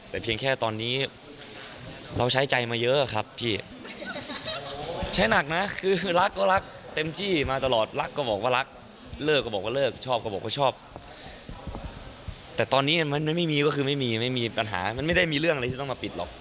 แต่ตอนนี้ก็จะไม่มีปัญหาและไม่มีเรื่องหน่อย